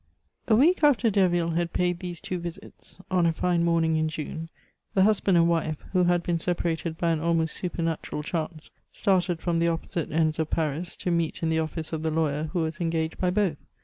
A week after Derville had paid these two visits, on a fine morning in June, the husband and wife, who had been separated by an almost supernatural chance, started from the opposite ends of Paris to meet in the office of the lawyer who was engaged by both.